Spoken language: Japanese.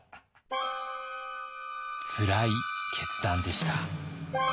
つらい決断でした。